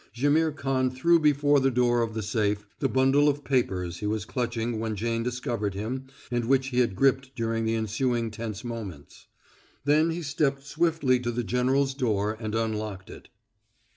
Jaimihr Khan threw before the door of the safe the bundle of papers he was clutching when Jane discovered him and which he had gripped during the ensuing tense moments. Then he stepped swiftly to the general's door and unlocked it.